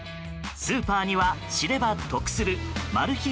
スーパーには、知れば得するマル秘